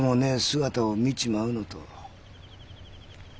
姿を見ちまうのと。